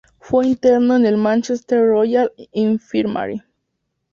Fue interno en la Manchester Royal Infirmary.